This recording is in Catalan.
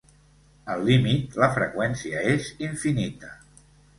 Al límit, la freqüència és infinita.